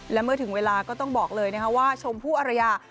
และเมื่อถึงเวลาก็ต้องบอกเลยนะคะว่าชมพู่อรยา